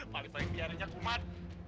paling baik biarinya kuman